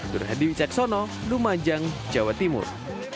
dura hedy wiceksono lumajang jawa timur